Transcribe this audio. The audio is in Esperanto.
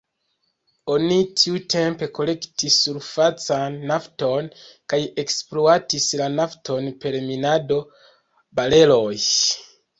Oni tiutempe kolektis surfacan nafton kaj ekspluatis la nafton per minado, bareloj.